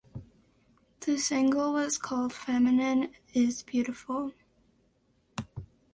The single was called "Feminine Is Beautiful".